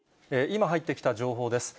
今、入ってきた情報です。